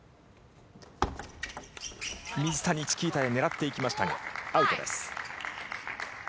水谷、チキータで狙っていきましたが、アウト。